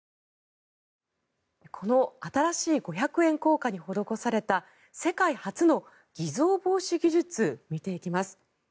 この新しい五百円硬貨に施された世界初の偽造防止技術を見ていきます。